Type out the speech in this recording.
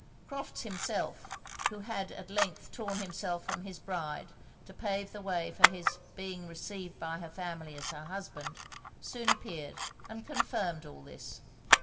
Crofts himself, who had at length torn himself from his bride to pave the way for his being received by her family as her husband, soon appeared, and confirmed all this.